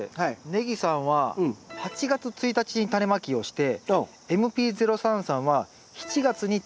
ねぎさんは８月１日にタネまきをしてＭｐ−０３さんは７月にタネまきをしたそうです。